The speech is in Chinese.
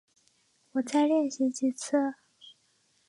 我再练习几次